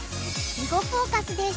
「囲碁フォーカス」です。